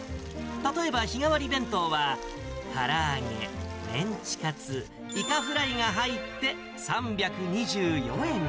例えば、日替わり弁当はから揚げ、メンチカツ、イカフライが入って３２４円。